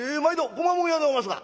小間物屋でおますが」。